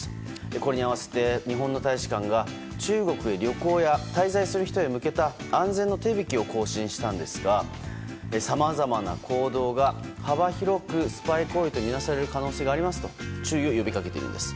これに合わせて日本の大使館が中国へ旅行や滞在する人へ向けた安全の手引きを更新したんですがさまざまな行動が幅広くスパイ行為とみなされる可能性がありますと注意を呼びかけています。